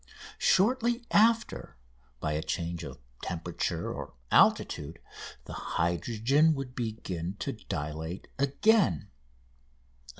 Shortly after, by a change of temperature or altitude, the hydrogen would begin to dilate again.